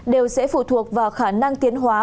đều sẽ phụ thuộc vào khả năng tiến hóa